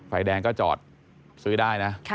ไฟแดงก็จอดซื้อได้นะ